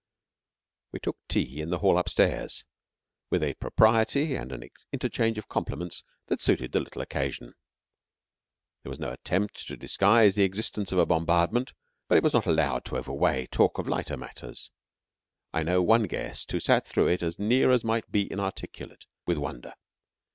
We took tea in the hall upstairs, with a propriety and an interchange of compliments that suited the little occasion. There was no attempt to disguise the existence of a bombardment, but it was not allowed to overweigh talk of lighter matters. I know one guest who sat through it as near as might be inarticulate with wonder.